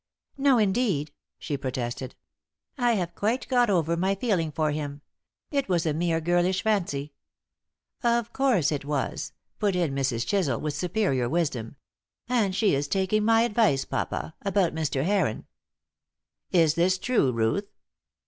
"No, indeed," she protested. "I have quite got over my feeling for him. It was a mere girlish fancy." "Of course it was," put in Mrs. Chisel, with superior wisdom. "And she is taking my advice, papa, about Mr. Heron." "Is this true, Ruth?"